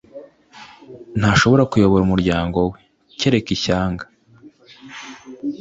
Ntashobora kuyobora umuryango we, kereka ishyanga!